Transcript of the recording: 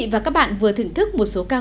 mắt em mùa thu nắng rơi trên đầu